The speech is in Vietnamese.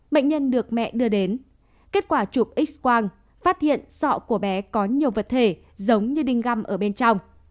bệnh nhân được mẹ đưa đến kết quả chụp x quang phát hiện sọ của bé có nhiều vật thể giống như đinh găm ở bên trong